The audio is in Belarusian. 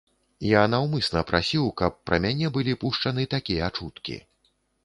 Я наўмысна прасіў, каб пра мяне былі пушчаны такія чуткі.